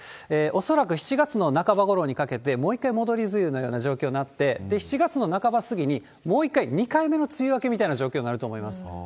恐らく７月の半ばごろにかけて、もう一回戻り梅雨のような状況になって、７月の半ば過ぎに、もう一回、２回目の梅雨明けみたいな状況になると思います。